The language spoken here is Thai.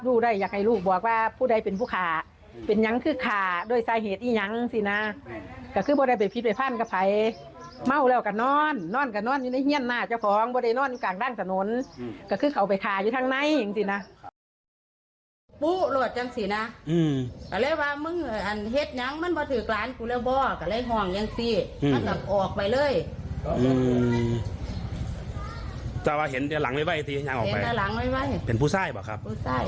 เมื่อเมื่อเห็นตัวหลังไม่ไหวทีทางออกไปเห็นผู้ทรายบ่ครับ